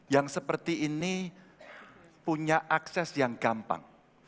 yang seperti ini punya akses yang gampang